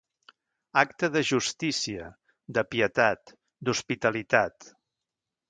Acte de justícia, de pietat, d'hospitalitat.